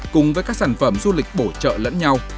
cùng với các sản phẩm du lịch bổ trợ lẫn nhau